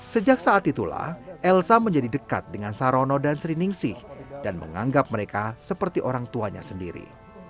sejak saat itulah elsa menjadi dekat dengan sarono dan sri ningsih dan menganggap mereka seperti orang tuanya sendiri